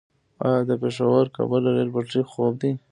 آیا د پیښور - کابل ریل پټلۍ خوب دی؟